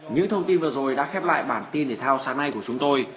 những thông tin vừa rồi đã khép lại bản tin thể thao sáng nay của chúng tôi